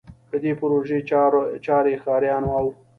د دې پروژې چارې ښاریانو او